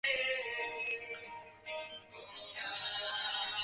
মহাদেবের তপোভঙ্গের জন্যে স্বয়ং কন্দর্পদেব ছিলেন, আর আমি বৃদ্ধ– শৈল।